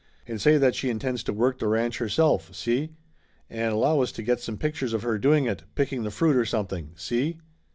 And say that she intends to work the ranch herself, see? And allow us to get some pictures of her doing it, picking the fruit or something, see?"